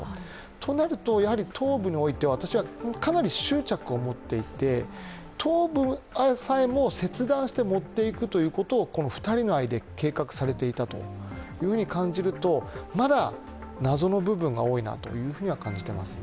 となると、頭部においては、かなり執着を持っていて、頭部さえも切断して持っていくということが２人の間で計画されていたというふうに感じると、まだ謎の部分が多いなというふうには感じていますね。